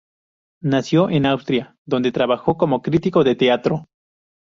Nació en Austria, donde trabajó como crítico de teatro.